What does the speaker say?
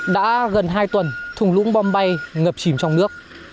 đã gần hai tuần thùng lũng bom bay ngập chìm trong nước